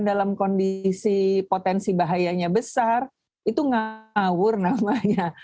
dalam kondisi potensi bahayanya besar itu ngawur namanya